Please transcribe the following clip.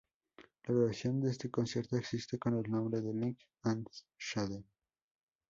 La grabación de este concierto existe, con el nombre de ""Light And Shade"".